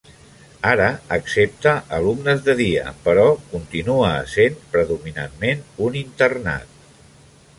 Ara accepta alumnes de dia, però continua essent predominantment un internat.